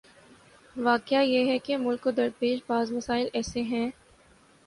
واقعہ یہ ہے کہ ملک کو درپیش بعض مسائل ایسے ہیں۔